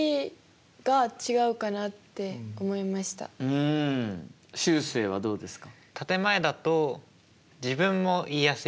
うんしゅうせいはどうですか？